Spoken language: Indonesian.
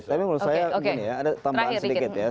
tapi menurut saya ada tambahan sedikit ya